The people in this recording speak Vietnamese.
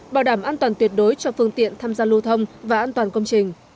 bảo đảm an toàn tuyệt đối cho phương tiện tham gia lưu thông và an toàn công trình